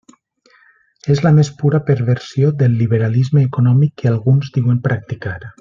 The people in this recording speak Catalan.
És la més pura perversió del liberalisme econòmic que alguns diuen practicar.